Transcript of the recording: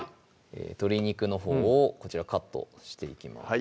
鶏肉のほうをこちらカットしていきます